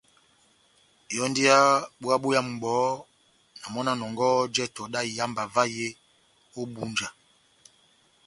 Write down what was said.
Yɔ́ndi yá búwa boyamu bɔhɔ́, na mɔ́ na nɔngɔhɔ jɛtɛ dá ihámba vahe ó Ebunja.